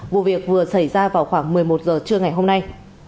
vụ việc vừa xảy ra vào khoảng một mươi một h trưa ngày hôm nay